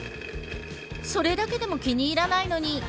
それだけでも気に入らないのに。